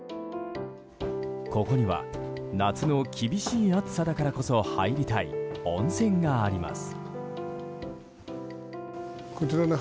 ここには夏の厳しい暑さだからこそ入りたい温泉があります。